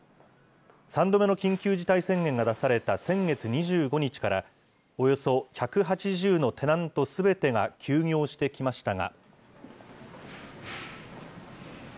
３度目の緊急事態宣言が出された先月２５日から、およそ１８０のテナントすべてが休業してきましたが。